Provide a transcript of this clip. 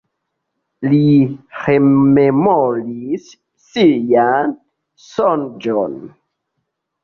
Li rememoris sian sonĝon.